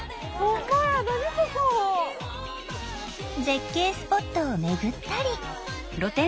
絶景スポットを巡ったり。